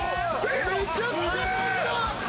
めちゃくちゃ飛んだ！